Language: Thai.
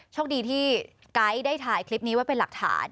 โชคดีที่ไก๊ได้ถ่ายคลิปนี้ไว้เป็นหลักฐาน